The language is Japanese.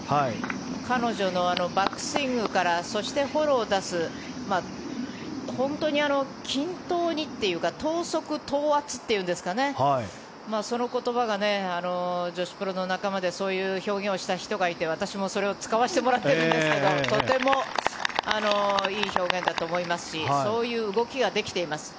彼女のバックスイングからフォローを出す本当に均等にというか等速等圧というかその言葉が女子プロの仲間でそういう表現をした人がいて私も使わせてもらってるんですがとてもいい表現だと思いますしそういう動きができています。